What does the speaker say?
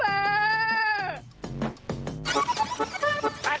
ไปไหน